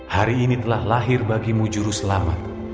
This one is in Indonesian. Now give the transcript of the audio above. hari ini telah lahir bagimu juru selamat